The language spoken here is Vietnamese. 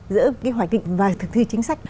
giữa cái hoạt định và thực thi chính sách